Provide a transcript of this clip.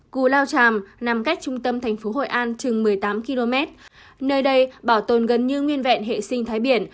cù lao tràm nằm cách trung tâm thành phố hội an chừng một mươi tám km nơi đây bảo tồn gần như nguyên vẹn hệ sinh thái biển